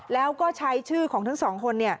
แล้วก็ใช้ชื่อของทั้งสองคน